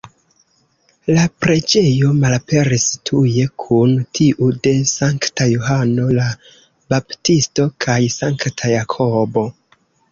La preĝejo malaperis tuje, kun tiu de Sankta Johano la Baptisto kaj Sankta Jakobo.